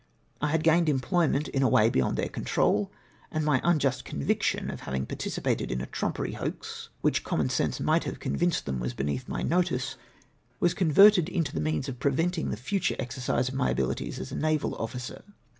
I had gained employment in a way beyond their control, and my unjust conviction of having participated in a trumpery hoax, which common sense mio ht have convinced them was beneath my notice, was converted into the means of preventmg the future exercise of my abilities as a naval officer.